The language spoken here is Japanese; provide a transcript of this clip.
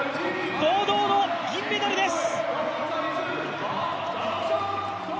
堂々の銀メダルです！